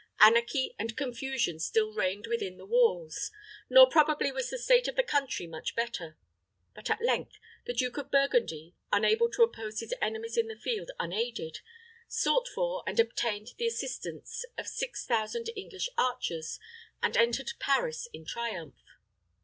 Anarchy and confusion still reigned within the walls: nor probably was the state of the country much better. But at length the Duke of Burgundy, unable to oppose his enemies in the field unaided, sought for and obtained the assistance of six thousand English archers, and entered Paris in triumph.